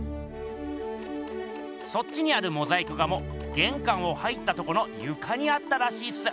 そっちにあるモザイク画もげんかんを入ったとこのゆかにあったらしいっす。